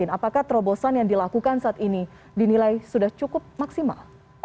apakah terobosan yang dilakukan saat ini dinilai sudah cukup maksimal